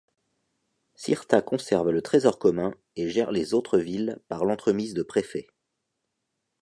Cirta conserve le trésor commun et gère les autres villes par l’entremise de préfets.